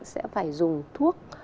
sẽ phải dùng thuốc